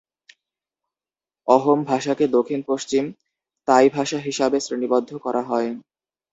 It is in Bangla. অহোম ভাষাকে দক্ষিণ-পশ্চিম তাই ভাষা হিসাবে শ্রেণীবদ্ধ করা হয়।